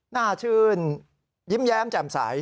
หน้าชื่นยิ้มแย้มแจ่มใส